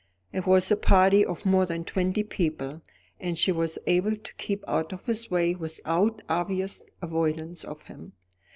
It was a party of more than twenty people, and she was able to keep out of his way without obvious avoidance of him.